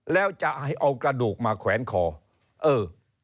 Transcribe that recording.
แล้วจะให้เอากระดูกมาแขวนคอเออ